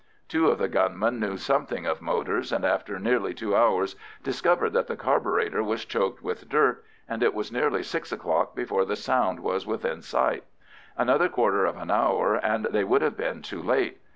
Two of the gunmen knew something of motors, and after nearly two hours discovered that the carburetter was choked with dirt, and it was nearly six o'clock before the Sound was within sight: another quarter of an hour and they would have been too late.